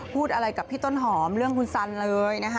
พูดอะไรกับพี่ต้นหอมเรื่องคุณสันเลยนะคะ